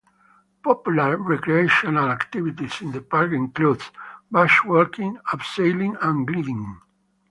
Popular recreational activities in the park include bushwalking, abseiling and gliding.